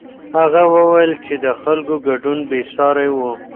هغه وویل چې د خلکو ګډون بېساری و.